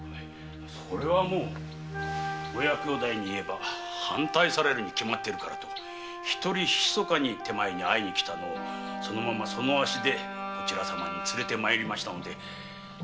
それはもう親兄弟に言えば反対されるに違いないと一人ひそかに手前に会いにきたのをそのままその足でこちら様へ連れて参りましたので毛頭